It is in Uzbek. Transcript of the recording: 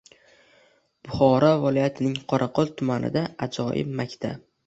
Buxoro vilojatining Qoraqo'l tumanida aƶojiʙ maktabi